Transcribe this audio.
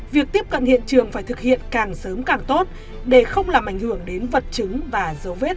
việc tiếp cận hiện trường phải thực hiện càng sớm càng tốt để không làm ảnh hưởng đến vật chứng và dấu vết